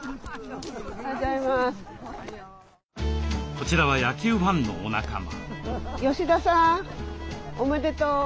こちらは野球ファンのお仲間。